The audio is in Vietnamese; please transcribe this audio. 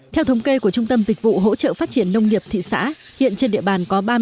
theo thống kê của trung tâm dịch vụ hỗ trợ phát triển nông nghiệp thị xã hiện trên địa bàn có ba mươi năm